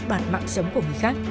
sức bản mạng sống của người khác